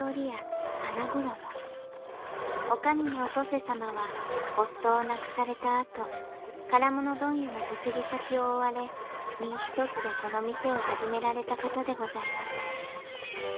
女将のお登世様は夫を亡くされたあと金物問屋の嫁ぎ先を追われ身一つでこの店を始められた方でございます。